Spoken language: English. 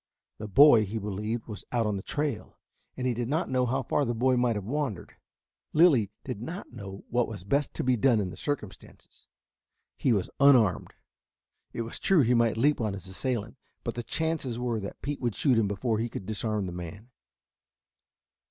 The boy, he believed, was out on the trail, and he did not know how far the boy might have wandered. Lilly did not know what was best to be done in the circumstances. He was unarmed. It was true he might leap on his assailant, but the chances were that Pete would shoot him before he could disarm the man.